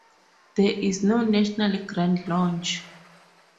There is no national Grand Lodge.